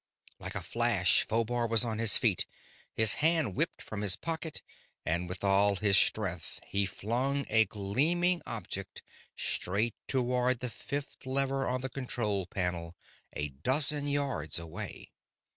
Like a flash Phobar was on his feet; his hand whipped from his pocket, and with all his strength he flung a gleaming object straight toward the fifth lever on the control panel a dozen yards away.